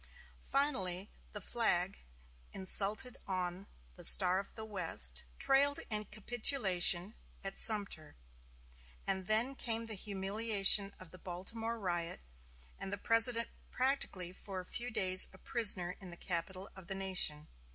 Finally, the flag, insulted on the Star of the West, trailed in capitulation at Sumter and then came the humiliation of the Baltimore riot, and the President practically for a few days a prisoner in the capital of the nation.